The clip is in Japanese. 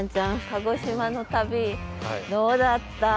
鹿児島の旅どうだった？